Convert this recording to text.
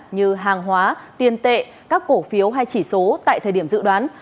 như hàng hóa tiền tệ các cổ phiếu hay chỉ số tại thời điểm dự đoán